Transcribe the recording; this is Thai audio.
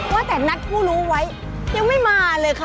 ว่าแต่นัดผู้รู้ไว้ยังไม่มาเลยค่ะ